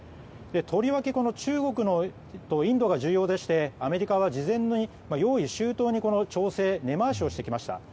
とりわけ中国とインドが重要でしてアメリカは事前に用意周到に調整根回ししてきました。